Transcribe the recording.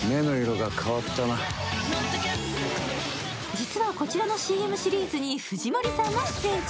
実はこちらのＣＭシリーズに藤森さんも出演中。